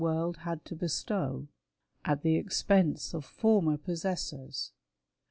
world had to bestow, at the expense of former possessors.